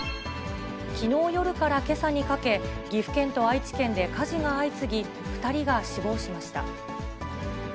きのう夜からけさにかけ、岐阜県と愛知県で火事が相次ぎ、２人が死亡しました。